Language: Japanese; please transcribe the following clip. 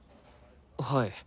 はい。